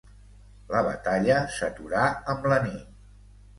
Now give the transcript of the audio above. La batalla s'aturà amb la nit.